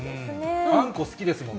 あんこ好きですもんね。